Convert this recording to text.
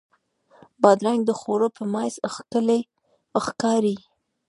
بادرنګ د خوړو په میز ښکلی ښکاري.